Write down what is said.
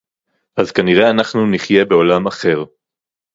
אז כנראה אנחנו נחיה בעולם אחר